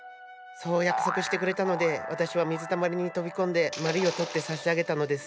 そう約束してくれたので私は水たまりに飛び込んでまりを取って差し上げたのです。